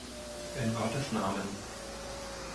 In Gottes Namen